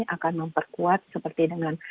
akan memperkuat seperti dengan